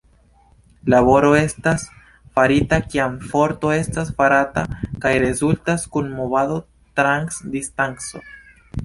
Laboro estas farita kiam forto estas farata kaj rezultas kun movado trans distanco.